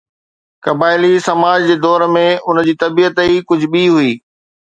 قبائلي سماج جي دور ۾ ان جي طبيعت ئي ڪجهه ٻي هئي.